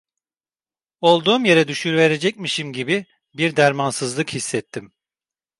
Olduğum yere düşüverecekmişim gibi bir dermansızlık hissettim.